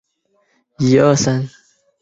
索布拉迪纽是巴西巴伊亚州的一个市镇。